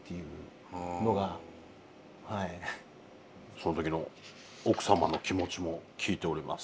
その時の奥様の気持ちも聞いております。